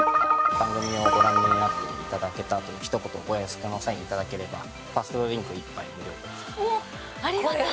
番組をご覧になっていただけたとひと言予約の際にいただければファーストドリンク１杯ありがたい！